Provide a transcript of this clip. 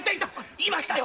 いましたよ！